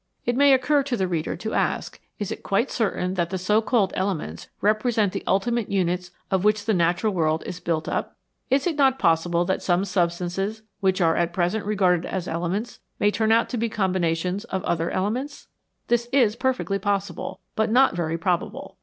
It may occur to the reader to ask Is it quite certain that the so called elements represent the ultimate units of which the natural world is built up ? Is it not possible that some substances which are at present regarded as elements may turn out to be combinations of other elements ? This is perfectly possible, but not very pro bable.